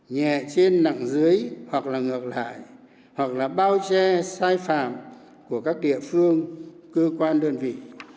nhẹ trên nặng dưới hoặc là ngược lại hoặc là bao che sai phạm của các địa phương cơ quan đơn vị